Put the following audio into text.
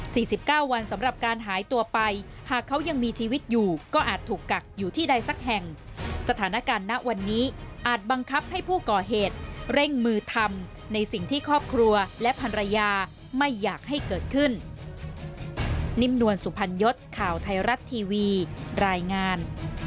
สิบเก้าวันสำหรับการหายตัวไปหากเขายังมีชีวิตอยู่ก็อาจถูกกักอยู่ที่ใดสักแห่งสถานการณ์ณวันนี้อาจบังคับให้ผู้ก่อเหตุเร่งมือทำในสิ่งที่ครอบครัวและภรรยาไม่อยากให้เกิดขึ้น